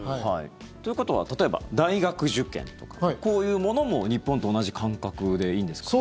ということは例えば、大学受験とかこういうものも日本と同じ感覚でいいんですか？